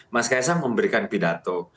mas kaisang memberikan pidato